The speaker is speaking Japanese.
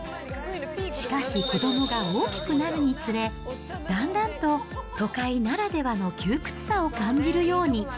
しかし、子どもが大きくなるにつれ、だんだんと、都会ならではの窮屈さを感じるように。